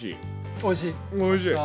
おいしい！